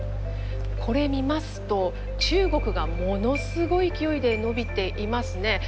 これ見ますと中国がものすごい勢いで伸びていますね。